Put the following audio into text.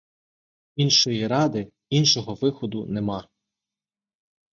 Іншої ради, іншого виходу нема.